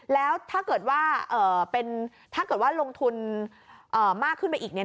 แล้วถ้าเกิดว่าลงทุนมากขึ้นไปอีก